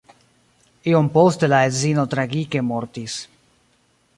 Iom poste la edzino tragike mortis.